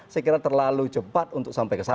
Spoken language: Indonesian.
saya kira terlalu cepat untuk sampai ke sana